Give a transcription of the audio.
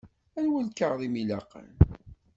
Anwa lkaɣeḍ i m-ilaqen?